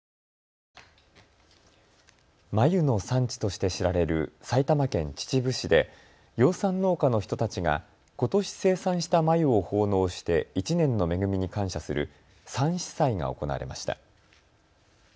繭の産地として知られる埼玉県秩父市で養蚕農家の人たちがことし生産した繭を奉納して１年の恵みに感謝する蚕糸祭が行われました。